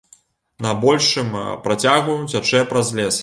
На большым працягу цячэ праз лес.